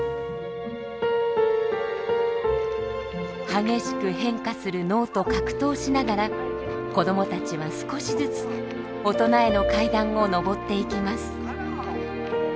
激しく変化する脳と格闘しながら子どもたちは少しずつ大人への階段を上っていきます。